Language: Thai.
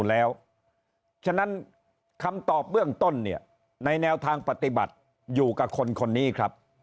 เพราะฉะนั้นคำตอบเบื้องต้นเนี่ยในแนวทางปฏิบัติอยู่กับคนคนนี้ครับ